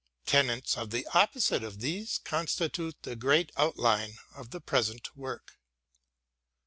Tenets the opposite of these con stitute the great outline of the present work.